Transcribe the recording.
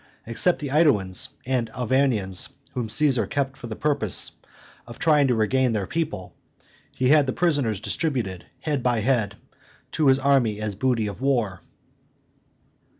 Except the AEduans and Arvernians, whom Caesar kept for the purpose of trying to regain their people, he had the prisoners distributed, head by head, to his army as booty of war."